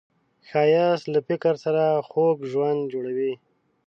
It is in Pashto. ښایست له فکر سره خوږ ژوند جوړوي